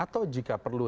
yang kita perlu